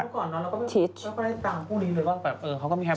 เมื่อก่อนเราก็ได้ตามผู้ดีว่าเขาก็มีความรู้สึก